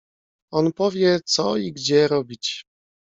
"On powie, co i gdzie robić."